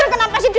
aku mau pergi dulu